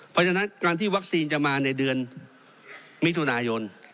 เพราะฉะนั้นการที่วัคซีนจะมาในเดือนมิถุนายน